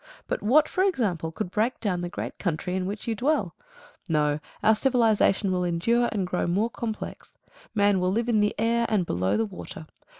But what, for example, could break down the great country in which you dwell? No, our civilisation will endure and grow more complex. Man will live in the air and below the water.